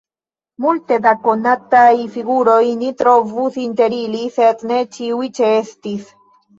Multe da konataj figuroj ni trovus inter ili, sed ne ĉiuj ĉeestis.